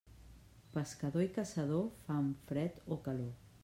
Pescador i caçador, fam, fred o calor.